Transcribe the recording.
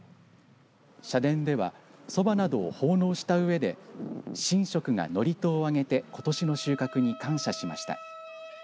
社殿ではそばなどを奉納したうえで神職が祝詞をあげてことしの収穫に感謝しました。